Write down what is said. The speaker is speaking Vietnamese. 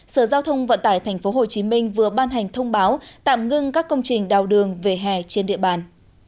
sở giao thông vận tải tp hcm vừa ban hành thông báo tạm ngưng các công trình đào đường về hè trên địa bàn